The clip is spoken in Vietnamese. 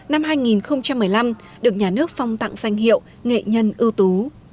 năm hai nghìn một mươi năm được nhà nước phong tặng danh hiệu nghệ nhân ưu tú